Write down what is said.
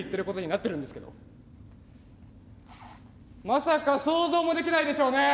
まさか想像もできないでしょうねえ。